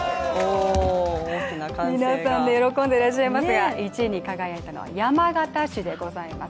皆さんで喜んでいらっしゃいますが１位に輝いたのは山県市でございます。